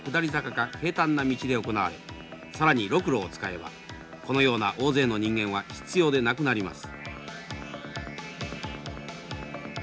平たんな道で行われ更にロクロを使えばこのような大勢の人間は必要でなくなります。